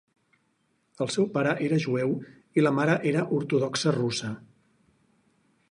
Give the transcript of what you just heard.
El seu pare era jueu i la mare era ortodoxa russa.